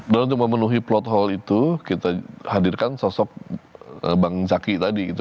untuk memenuhi plot hall itu kita hadirkan sosok bang zaki tadi gitu